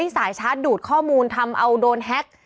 สายชาร์จดูดข้อมูลทำเอาโดนแฮ็ก